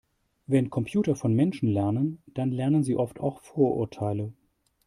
Wenn Computer von Menschen lernen, dann lernen sie oft auch Vorurteile.